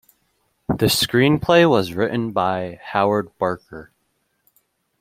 The screenplay was written by Howard Barker.